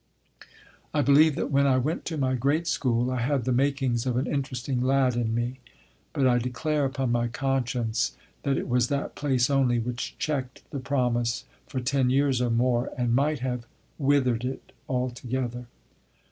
I believe that when I went to my great school I had the makings of an interesting lad in me; but I declare upon my conscience that it was that place only which checked the promise for ten years or more, and might have withered it altogether.